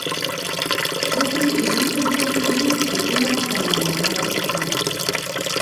So sind die Liebenden nun für immer voneinander getrennt.